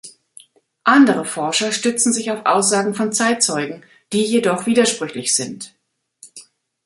Andere Forscher stützen sich auf Aussagen von Zeitzeugen, die jedoch widersprüchlich sind.